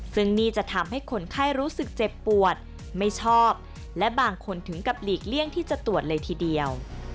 ซึ่งนี่จะทำให้คนไข้รู้สึกเจ็บปวดไม่ชอบและบางคนถึงกับหลีกเลี่ยงที่จะตรวจเลยทีเดียว